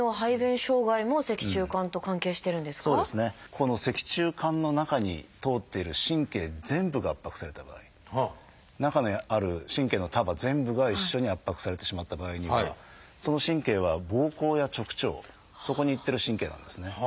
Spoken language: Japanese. ここの脊柱管の中に通っている神経全部が圧迫された場合中にある神経の束全部が一緒に圧迫されてしまった場合にはその神経はぼうこうや直腸そこに行ってる神経なんですね。